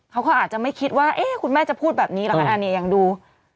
เขาก็อาจจะไม่คิดว่าเอ๊ะคุณแม่จะพูดแบบนี้หรอคะอันนี้ยังดู